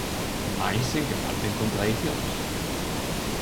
Mais sen que falten contradicións.